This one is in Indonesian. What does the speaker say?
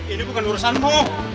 ini bukan urusanmu